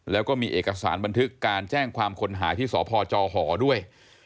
แล้วก็มีเอกสารบันทึกการแจ้งความคนหายที่สพจหด้วย